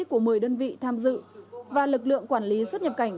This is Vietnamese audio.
của một mươi đơn vị tham dự và lực lượng quản lý xuất nhập cảnh